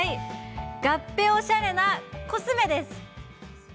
がっぺおしゃれなコスメです。